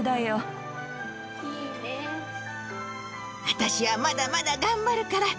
アタシはまだまだ頑張るから。